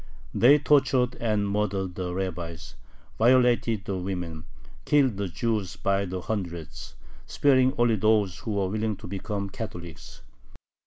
They tortured and murdered the rabbis, violated the women, killed the Jews by the hundreds, sparing only those who were willing to become Catholics.